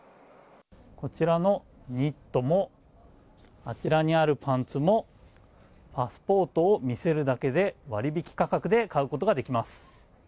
こちらのニットもあちらにあるパンツもパスポートを見せるだけで割引価格で買えることができます。